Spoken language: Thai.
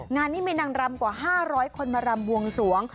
งานนี้มีนางรำกว่า๕๐๐คนมารำบวงสวง